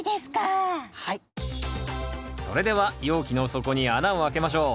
それでは容器の底に穴をあけましょう。